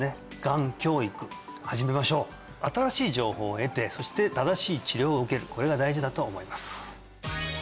我々ね新しい情報を得てそして正しい治療を受けるこれが大事だと思います